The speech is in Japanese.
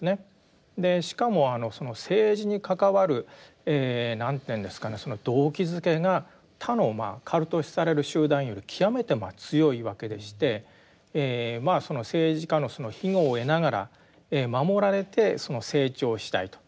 しかもその政治に関わる何ていうんですかね動機づけが他のカルト視される集団より極めて強いわけでしてその政治家の庇護を得ながら守られて成長したいと。